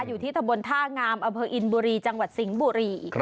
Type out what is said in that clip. อยู่ที่ตะบนท่างามอำเภออินบุรีจังหวัดสิงห์บุรี